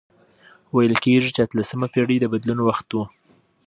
ویل کیږي چې اتلسمه پېړۍ د بدلون وخت و.